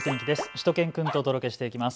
しゅと犬くんとお届けしていきます。